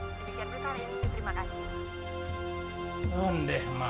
demikian berita hari ini terima kasih